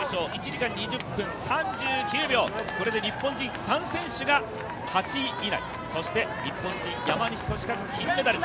１時間２０分３９秒これで日本人３選手が８位以内、そして、日本人山西利和、金メダル。